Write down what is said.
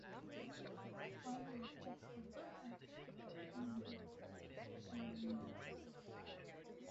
One may search for a certain type of person without specifying any names.